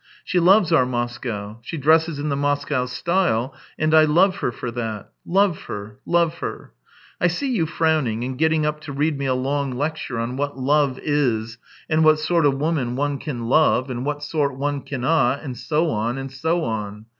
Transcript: She loves our Moscow; she dresses in the Moscow style, and I love her ior that — love her, love her. ... I see you frowning and getting up to read me a long lecture THREE YEARS 193 on what love is, and what sort of woman one can love, and what sort one cannot, and so on, and so on.